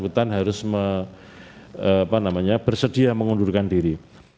kalau kebanyakan yang bersangkutan harus bersedia mengundurkan diri